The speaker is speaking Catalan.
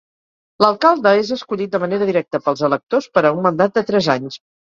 L'alcalde és escollit de manera directa pels electors per a un mandat de tres anys.